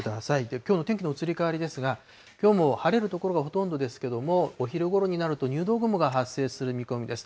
きょうの天気の移り変わりですが、きょうも晴れる所がほとんどですけれども、お昼ごろになると、入道雲が発生する見込みです。